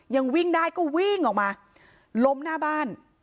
ยังวิ่งได้ก็วิ่งออกมาล้มหน้าบ้าน